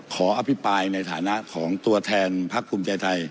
อภิปรายในฐานะของตัวแทนพักภูมิใจไทย